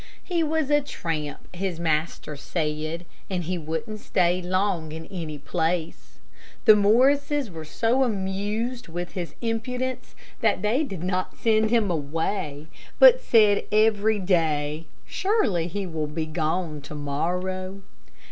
He was a tramp, his master said, and he wouldn't stay long in any place, The Morrises were so amused with his impudence, that they did not send him away, but said every day, "Surely he will be gone to morrow."